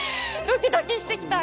ドキドキしてきた。